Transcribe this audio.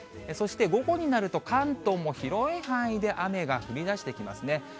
そして午後になると、関東も広い範囲で雨が降りだしてきますね。